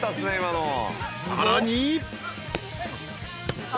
［さらに］